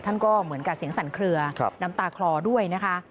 ท่านก็เหมือนกับเสียงสั่นเคลือน้ำตาคลอด้วยนะคะ